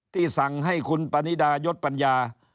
สั่งให้คุณปนิดายศปัญญา